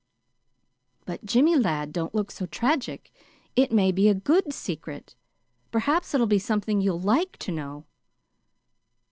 "But, Jimmy, lad, don't look so tragic. It may be a good secret. Perhaps it'll be something you'll LIKE to know."